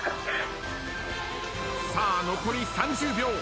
さあ残り３０秒。